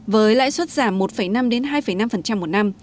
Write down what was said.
với lãi suất giảm một năm hai năm một năm